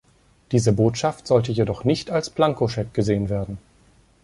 Diese Botschaft sollte jedoch nicht als Blankoscheck gesehen werden.